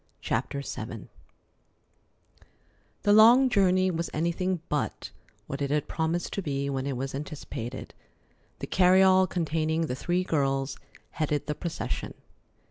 CHAPTER VII The long journey was anything but what it had promised to be when it was anticipated. The carryall containing the three girls headed the procession.